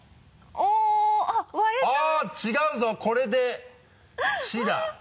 あぁ違うぞこれで「ち」だ。